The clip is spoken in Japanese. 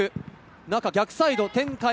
中、逆サイド展開。